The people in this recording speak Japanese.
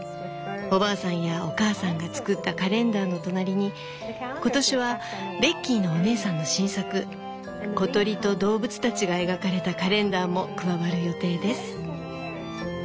おばあさんやおかあさんが作ったカレンダーの隣に今年はベッキーのお姉さんの新作小鳥と動物たちが描かれたカレンダーも加わる予定です」。